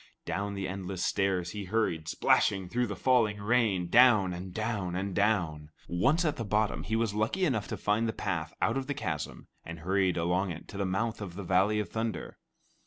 Down the endless stairs he hurried, splashing through the falling rain, down, and down, and down. Once at the bottom, he was lucky enough to find the path out of the chasm, and hurried along it to the mouth of the Valley of Thunder.